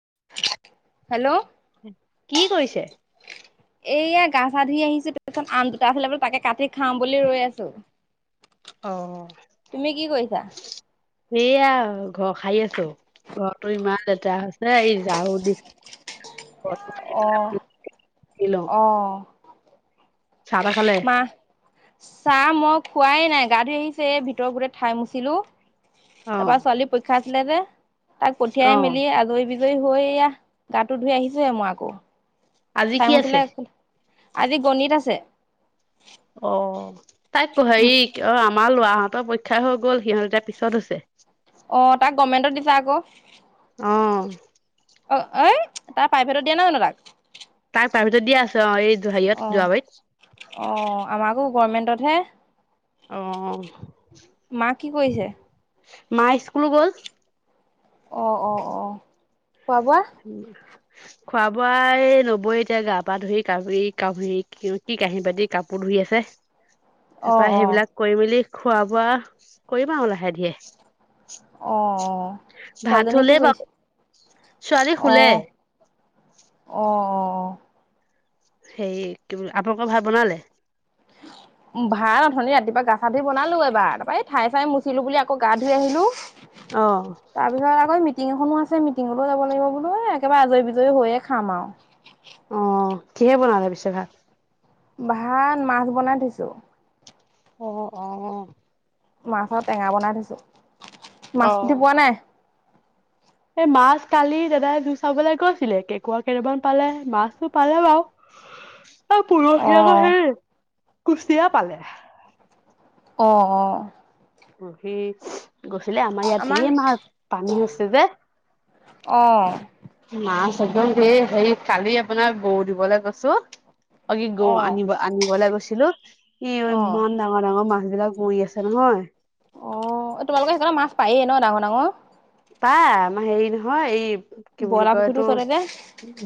[unintelligible] Hello কি কৰিছে? এইয়া গা চা ধুই আহিছো তাৰপিছত আম দুটা ফালে তাকে কাটি খাওঁ বুলি ৰৈ আছো তুমি কি কৰিছা। এইয়া ঘৰ সাৰি আছোঁ। ঘৰটো ইমান লেতেৰা হৈ আছে, এই ঝাৰু দি। অ লওঁ। অ চাহ তাহ খালে? মাহ চাহ মই খোৱাই নাই গা ধুই আহিছোহে ভিতৰত গোটেই ঠাই মুচিলো তাৰ অ', পিছত ছোৱালী পৰীক্ষা তাক পঠিয়াই অ', মেলি আজৰি হৈয়া গাটো ধুই আহিছোহে মই আকৌ। আজি ঠাই কি আছে? মুচিলে আজি গণিত আছে। অ তাইক উম হেৰি অ আমাৰ লৰাহঁতৰ পৰীক্ষা হৈ গ'ল। সিহঁত এতিয়া পিছত হৈছে। অ তাক কমেণ্টত দিছে আক। অঁ। অ ঐ তাৰ প্ৰাইভেটত দিয়া নাই জানো তাক। তাৰ ভিতৰত দিয়া আছে আৰু এই জহাৰত অ' যোৱাবাৰত। অ' আমাৰ আকৌ গভমেন্টতহে অহ মা কি কৰিছে? মা স্কুলো গল। অ অ অ খোৱা বোৱা? খোৱা বোৱাই নবই এতিয়া গা পা ধুৰি কৰি কৰি কি কাঁহী বাটি কাপোৰ ধৰি। আছে। অ তাৰাপা অ সেইবিলাক কৰি মেলি খোৱা বোৱা কৰিম আৰু আৰু লাহে ধিয়ে। অ অ ভাত ছোৱালীজনীয়ে কি হলেই কৰিছে বাৰু ছোৱালী শুলে। অঁ অ। সেই কি আপোনালোক ভাত বনালে। ভাত হ'লেই ৰাতিপুৱা গা ধুই বনালো এবাৰ তাৰপা এই ঠাই চাই মুচিলো বুলি আকৌ গা ধুই আহিলো। অ তাৰপিছত আকৌ মি। মিটিং এখনো আছে মিটিঙতো যাব লাগিব বোলো একেবাৰে আজৰি বিজয়ী হৈয়ে খাম আও। অ কিহে বনালে পিছে ভাত? ভাল মাছ বনাই থৈছোঁ। অ অহ। মাছ আৰু টেঙা বনাই থৈছো অ মাছ পুতি পোৱা নাই। এই মাছ কালি দাদাই বিচাৰিবলৈ গৈছিলে, কেকুৱা কেইটামান পালে মাছটো পালে বাৰু। আৰু অ পৰহি আকৌ সেই কুচিয়া পালে। অ অ। অ সি গ। আমাৰ ইয়াত ধেৰ মাছ পানী আছে যে,, অ মাছ। একদম হেই হে কালি আপোনাৰ বৌ দিবলৈ কৈছো। অকি গ অ আনিব আনিবলৈ গৈছিলো ই অ ইমান ডাঙৰ ডাঙৰ মাছ। ম বিলাক মৰি আছে নহয়। অ তোমালোকৰ সেইখনত মাছ পায়েই ন ডাঙৰ ডাঙৰ। পাই আমাৰ হেৰি নহয় এই কি বুলি বইলাৰ কয় পুখুৰীটোৰ এইটো ওচৰতে যে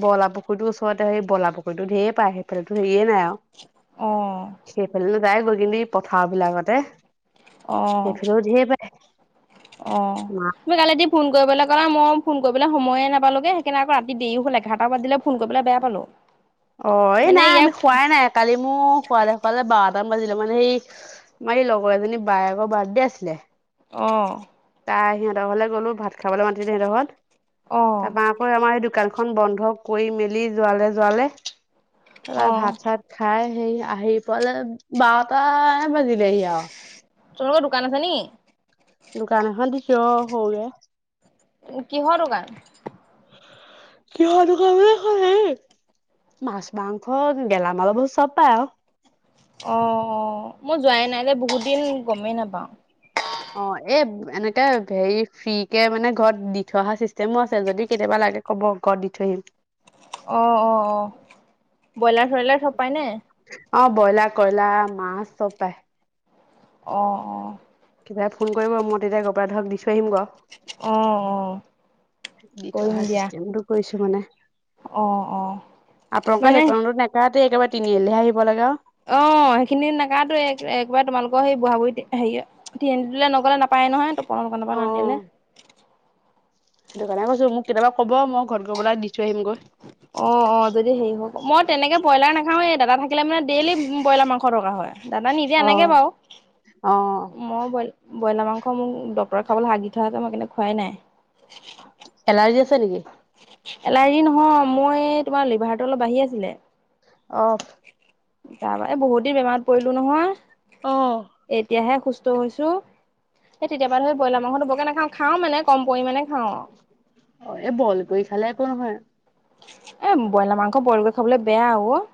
বলা পুখী। পুখুৰী ওচৰতে সেই বলা পুখুৰীতো ঢেৰ পায় সেইফালে হেৰিয়ে নাই অ আৰু সেইফালে। তাই গৈ কিনি পথাৰ বিলাকতে। অ সেইফালেও ঢেৰ পায় অহ, মাছ তুমি কালি দি। ফোন কৰিবলৈ গ'লো মই ফোন কৰিবলৈ সময়ে নাপালোগে সেইকাৰণে আকৌ ৰাতি দেৰি হ'ল এঘাৰটা বজাত দিলে ফোন কৰিবলৈ বেয়া পালো। অ এই নাই আমি খোৱাই নাই কালি মোৰ খোৱালে খোৱালে ব। বাজিলে মানে সেই মাৰ এই লগৰ এজনী বায়েকৰৰ বাৰ্থডে আছিলে। অ। তাই সিহঁতৰ ঘৰলে গলো ভাত খাবলৈ মাতিলে সিহঁতৰ ঘৰত, অ'। তাৰপৰা আকৌ আমাৰ দোকানখন বন্ধ। কৰি মেলি যোৱালে যোৱালে তৰা অ', ভাত চাত খাই। সেই পুৱালে বাৰতা বাজিলেহি আৰু। তোমালোকৰ দোকান আছে নি! দোকান এখন দিছো অ সৰুকে কিহৰ দোকান? কি হাল দোকান মানে এই খন হেৰী। মাছ মাংস গেলামালৰ বহুত চব পায় আও। অ অ মই যোৱাই নাই বহুত দিন গমেই নাপাওঁ। অ এ এনেকে হেৰি ফ্ৰী কে মানে ঘৰত দি থৈ অহা চিষ্টেমো আছে যদি কেতিয়াবা। তাকে হব্ ঘৰত দি থৈ আহিম। অ' অ' অ'। বইলাৰ-চইলাৰ চব পায় নে? অ ব্ৰইলাৰ কইলাৰ, মাছ চব পাই। অ' অ'। কিবাই ফোন কৰিব মই তেতিয়া ঘৰ পৰাই ধৰক দি থৈ আহিম গ। অ', অ', দি থৈ কৰিম আহা দিয়া চিষ্টেমটো কৰিছোঁ মানে। অ', অ'। অ', আপোনালোকৰ সেইখনত নেকাতেই একেবাৰে তিনিআলিলেহে আহিব লাগে আৰু। অ' সেইখিনিত নেকাতোৱে এক একেবাৰে তোমালোকৰ সেই বুঢ়া বু‌ঢ়ী হেৰীয়ে তিনিআলি টোলে নগলে নাপায়। নহয় তপনৰ দোকানৰ পৰা আৰু অ নানিলে। সেইটো কাৰণে কৈছো মোক কেতিয়াবা ক'ব মই ঘৰ গৈ পেলাই দিথৈ আহিমগৈ। অ' অ' যদি হেৰি হওক মই তেনেকে বইলাৰ নেখাওঁয়ে দাদা থাকিলে মানে ডেইলি বইলাৰ মাংস এশ টকা হয়। দাদা নিজে আনেগে অ', বাৰু। অ', মই বইল ব্ৰইলাৰ মাংস মোক ডক্টৰে খাবলে হাক দি থোৱা আছে মই সেইকাৰণে খোৱাই নাই। এলাৰ্জি আছে নেকি? এলাৰ্জি নহয় মোৰ এই তোমাৰ লিভাৰটো অলপ বাঢ়ি আছিলে। অ'। তাৰ পা এ বহুত দিন বেমাৰত পৰিলো নহয়, অ', এতিয়াহে সুস্থ হৈছো। সেই তেতিয়াৰ পৰা ধৰি ব্ৰইলাৰ মাংসতো বৰকে নাখাওঁ খাও মানে কম পৰিমাণে খাওঁ। এ বইল কৰি খালে একো নহয়। এ ব্ৰইলাৰ মাংস বইল কৰি খাবলৈ বেয়া অ।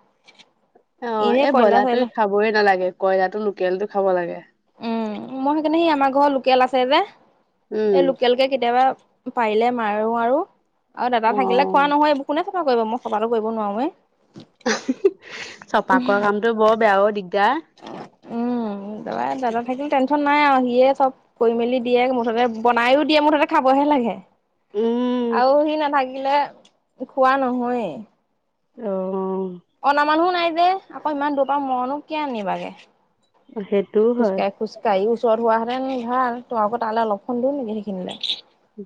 অ' এনেই এই কয়লা বইলাৰটো চয়লা খাবই নালাগে ক্ইলাৰটো লোকেলটো খাব লাগে। উম। মই সেইকাৰণে সেই আমাৰ ঘৰত লোকেল আছে যে, উম। এই লোকেল কে কেতিয়াবা পাৰিলে মাৰো আৰু আৰু দাদা থাকিলে খোৱা অ'। নহয় এইবোৰ কোনে চাফা কৰিব মোক চফা টো কৰিব নোৱাৰোৱেই। চফা কৰা কামটো বৰ বেয়া অ দিগদাৰ। অ এই দাদা থাকিলে টেনচন নাই আৰু সিয়ে চব কৰি মেলি দিয়ে, মুঠতে বনাইও দিয়ে মুঠতে খাবহে লাগে। উম, আৰু সি নাথাকিলে খোৱা নহয়ে। অ'। অনা মানুহ নাই যে আকৌ ইমান দূৰৰ পৰা মই নো কিয আনিবাগে। সেইটোও হয়। খোজকাঢ়ি খোজকাঢ়ি ওচ ওচৰত হোৱাহেতেন ভাল তোমালোকৰ তালে অলপখন দূৰ নেকি সেইখিনিলে।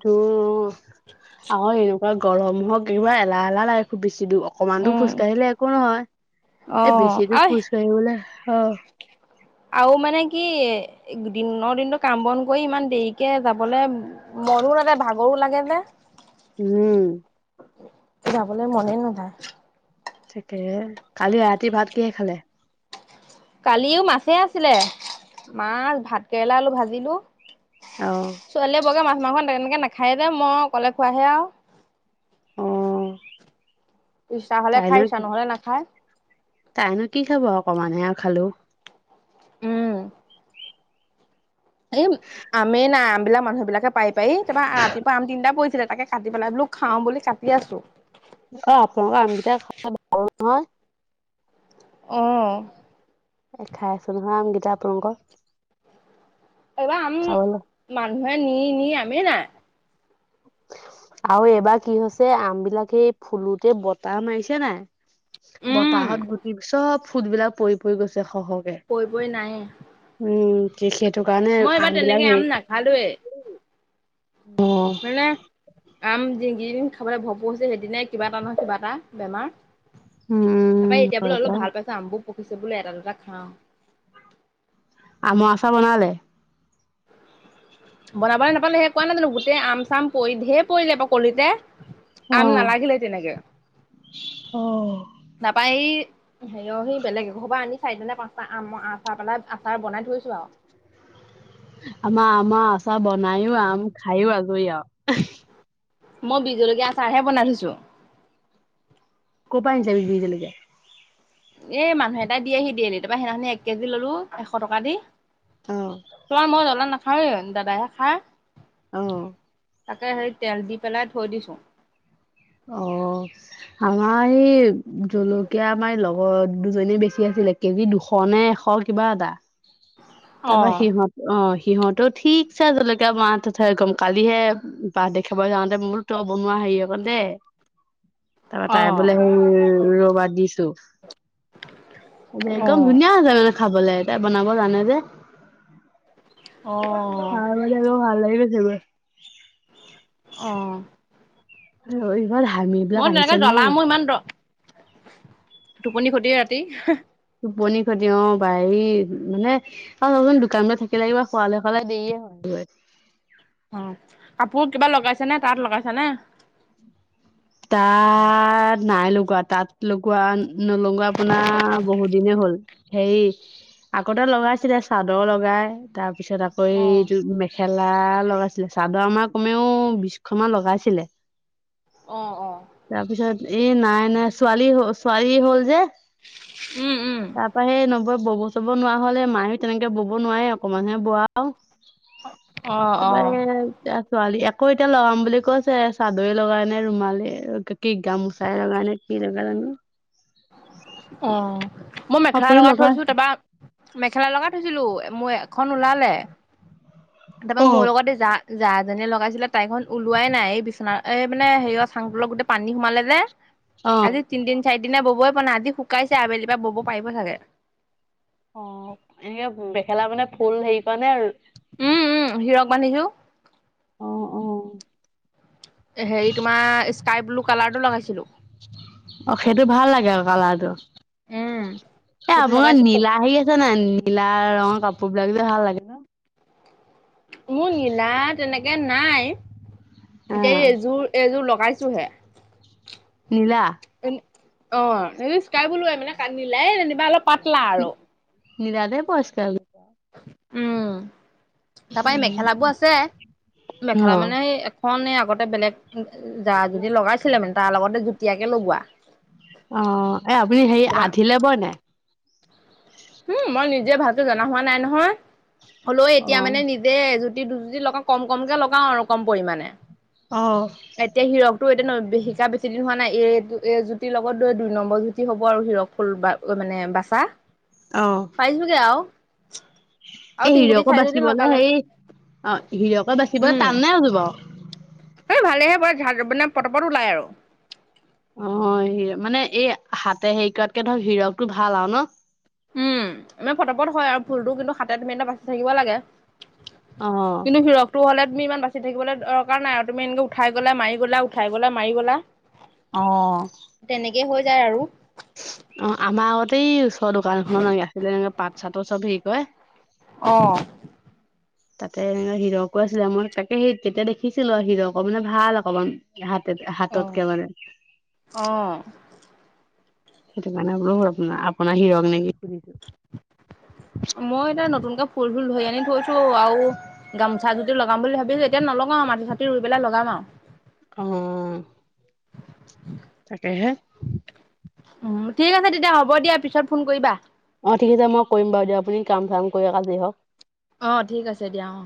দূৰ অ আকো এনেকুৱা গৰম হওক কিবা এলাহ-এলাহ লাগে খুব বেছি। [unintelligible] অকমান দূৰ উম খোজ কাঢ়িলে একো অ নহয় এই বেছিকে আৰু খোজ কাঢ়িবলে অহ। আৰু মানে কি দিনৰ দিনটো কাম বন কৰি ইমান দেৰি কে যাবলে মনো নাযায়, ভাগৰো লাগে যে। উম। যাবলে মনে নাযায়। থিকেই কালি ৰাতি ভাত কিহে খালে? কালিও মাছে আছিলে। মাছ, ভাত কেৰেলা আলু ভাজিলো। অ', ছোৱালীয়ে বৰকে মাছ মাংস তেনেকে নাখায়ে যে মই অকলে খোৱাহে আৰু। অ', ইচ্ছা হলে খাই তাইনো ইচ্ছা নহলে নাখায় - তাইনো কি খাব অকমানহে আৰু খালেও। উম। এই আমে নাই আম বিলাক মানুহ বিলাকে পাৰি পাৰি, তাৰপা ৰাতিপুৱা আম তিনটা পৰিছিলে তাকে কাটি পেলাই এই বোলো খাও বুলি কাটি আছো। অ' আপোনালোকৰ আমগিটা খাবলে ভাল নহয়। অ এ খাই আছো নহয় আমগিতা আপোনোকৰ। এইবাৰ আম মানুহে নি নি আমেই নাই। আৰু এইবাৰ কি হৈছে আম বিলাকে ফুলোতে বতাহ মাৰিছে নাই। উম বতাহত গুটি চব ফুটবিলাক পৰি পৰি গৈছে। এ সহজে পৰি পৰি নাইয়ে উম কৃষিত এইটো কাৰনে মই এইবাৰ তেনেকে আনবিলাক আম নাখালোৱে অহ'। মানে আম যিকিদিন খাবলৈ ভোগ লাগিছে, সেইদিনাই কিবা এটা নহয় কিবা এটা বেমাৰ উম তাপা এতিয়া হয় বোলে অলপ পাই ভাল পাইছে আমবো পকিছে বোলে এটা দুটা খাও আম আচাৰ বনালে বনাবলে নাপালোৱে সে কোৱা নাই জানো গোটেই আম চাম পৰিলে ধে পৰিলে বা কলিতে। আম অ', নালাগিলে তেনেকে অ', নাপাই ই হেৰিয় ঘ বেলেগ এঘপা আনিছে চাৰি নে পাঁচটা আম মই আ চা পেলাই আচাৰ বনাই থৈছো আও। আমাৰ আমাৰ আচাৰ বনায়ো আম খায়ো আজৰি আও মই বিজলকীয়া আচাৰহে বনাই থৈছো। ক' পা আনিছে বি জলকিয়া? এ মানুহ এটা দিয়েহি ডেইলি তাপা সেইদিনাখনি এক কেজি ললো এশ টকা দি অ', তোমাৰ মই জলা নাখাওঁ য়ে, দাদাহে খাই। অহ। তাকে সেই তেল দি পেলাই থৈ দিছো। অ আমাৰ এই জলকীয়া আমাৰ লগৰ দুজনী বেছি আছিল কেজি দুশ নে এশ কিবা এটা তা পা অ', সিহঁত অ হি সিহঁতো ঠিকছে জলকীয়া মাহতো থয় গম পালিহে বা দেখাব যাওঁতে মই বোলো ত বনোৱা হেৰি অক দে- তা তাই বোলে অ', অঅ ৰবা দিছো একদম অ', ধুনীয়া হৈ যায় মানে খাবলে তাই বনাব জানে যে। অ', হা মজে ভাল লাগিলে চাগে অহ। জু হই মই তেনেকে জ্বলা মোৰ ইমান দ টোপনি-খতি ৰাতি। টোপনি খতি অ গাৰী মানে অ চাবচোন দোকানলে থাকিলে কিবা খোৱালে শুৱালে দেৰিয়ে হয়গে উ অ' কাপোৰ কিবা লগাইছে নে? তাত লগাইছে নে? তাত নাই লগোৱা। তাত লগোৱা নলগোৱা আপোনাৰ বহুত দিনে হ'ল। হেৰি আগতে লগাইছিলে চাদৰ লগাই তাৰপিছত আকৌ অ', এইটো মেখেলা মেখেলা লগাইছিলে চাদৰ আমাৰ কমেও বিছ খন মান লগাইছিলে। অ', অ', তাৰপিছত এ নাই নাই ছোৱালী হ ছোৱালী হ'ল যে- উম, উম, তা পা সেই নবৌ ববছ চাব নোৱাৰা হলে মায়েও তেনেকে বব নোৱাৰে অকনমানহে বয় আও অ', তাপা অ', এ এতিয়া ছোৱালী আকৌ এতিয়া লগাম বুলি কৈছে চাদৰে লগাই নে ৰুমালে কি কি গামোচাই লগা নে কি লগাই যানো অ' মই মেখেলা লগাই থৈছো। তাপা মেখেলা লগাই থৈছিলো, মোৰ এখন ওলালে তাপা অ। মোৰ লগতে যা জাজনীয়ে লগাইছিলে তাইখন ওলোৱাই নাই এই বিচনা এই মানে হেৰিয় চাংটলত গোটেই পানী সোমালে যে অ আজি তিনদিন চাৰিদিন ববই পৰা নাই আজি শুকাইছে, আবেলি পৰা বব পাৰিব চাগে। অ' এনেকে মেখেলা মানে ফুল হেৰি কৰা নে উম উম হিৰক বান্ধিছো অ' অ। হেৰি তোমাৰ স্কাই ব্লু কালাৰটো লগাইছিলো অ' সেইটো ভাল লাগে আৰু কালাৰটো। এ' সেইটো আপোনাৰ লগাইছো ক নীলা হেৰি আছে নাই নীলা ৰঙৰ কাপোৰ বিলাক। এ ভাল লাগে ন? মোৰ নীলা তেনেকে নাই। অ এতিয়া এযোৰ-এযোৰ লগাই চুহে। নীলা অ' এনে স্কাই ব্লুৱে মানে কা নীলায়ে যেনিবা অলপ পাতলা আৰু। নীলা পছকা উম। তাৰপা এই মেখেলাবোৰ আছে। অ মেখেলা মানে এখন এই আগতে বেলেগ যা যদি লগাইছিলে মানে। তাৰ লগতে যুটীয়াকে লগোৱা। অ' এ, আপুনি হে তোমাৰ আধিলে বয় নে? উম মই নিজে ভালটো জনা হোৱা নাই নহয়। হ'লেও অ এতিয়া মানে নিজে এজুতি দুজুতি লগাওঁ কম কমকে লগাও আৰু কম পৰিমাণে। অ'। তো এতিয়া ন- শিকা বেছি দিন হোৱা নাই। এইটো এই জুতিৰ লগত দ- দুই নম্বৰ জুতি হ'ব আৰু হিৰক ফুল বা মানে বাচা। অ পাইছোঁগে আৰু। আৰু এই তিনজুতি হিৰকো চাৰিজুতি বাচিবলৈ লগালে হেৰি অ' হিৰকে বাচিবলৈ উম টান নাই নে কি বাৰু? এই ভালেহে ব- জা- মানে পট-পট ওলাই আৰু। অ' হয়। মানে এই হাতে হেৰি কৰাতকে ধৰক হিৰকটো ভাল আৰু ন'? উম, মানে ফটাফটা হয় আৰু ফুলটো। কিন্তু হাতে ধৰি [unintelligible] বাচি থাকিব লাগে। অ কিন্তু হিৰকটো হ'লে তুমি ইমান বাচি থাকিবলৈ দৰকাৰ নাই আৰু। তুমি এনেকৈ উঠাই গ'লা, মাৰি গ'লা, উঠাই গ'লা, মাৰি গ'লা। অ'। তেনেকেই হৈ যায় আৰু। অ' আমাৰ আগতে এই ওচৰ দোকান এখনত আছিলে এনেকে পাত-চাতো চব হেৰি কয় অ তাতে এনে হিৰকো আছিলে। মই তাকে সেই তেতিয়া দেখিছিলোঁ হিৰক মানে। ভাল অকণমান হাত তেত এ অ হাততকে মানে। অ সেইটো কাৰণে আপোন- আপোনাৰ হিৰক নেকি সুধিছোঁ। মই এতিয়া নতুনকে ফুল - ফুল ধৰি আনি থৈছোঁ আৰু গামচা যদি লগাম বুলি ভাবিছোঁ এতিয়া লগাও। মাটি-ছাতি ৰুই পেলাই লগাম আৰু। অ'। তাকে হে। উম, ঠিক আছে তেতিয়া। হ'ব দিয়া। পিছত ফোন কৰিবা। অ' ঠিক আছে। মই কৰিম বাৰু দিয়ক। আপুনি কাম-চাম কৰি আজৰি হওঁক। অ' ঠিক আছে দিয়া অ'।